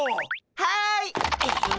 はい！